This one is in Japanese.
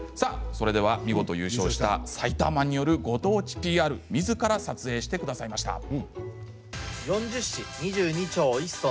それでは見事優勝したさいたぁマンによるご当地ＰＲみずから撮影してくださいました。